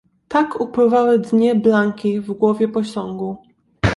"Tak upływały dnie Blanki w głowie posągu."